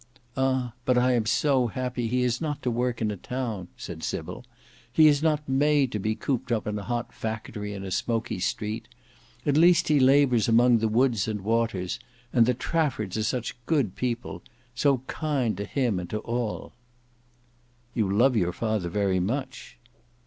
"Ah! but I am so happy that he has not to work in a town," said Sybil. "He is not made to be cooped up in a hot factory in a smoky street. At least he labours among the woods and waters. And the Traffords are such good people! So kind to him and to all." "You love your father very much."